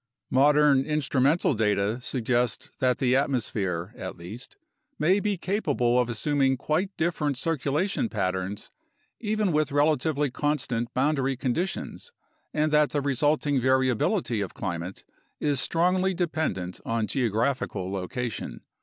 Modern instrumental data suggest that the atmosphere, at least, may be capable of assuming quite different circulation patterns even with relatively constant boundary conditions and that the resulting variability of climate is strongly dependent on geographical location.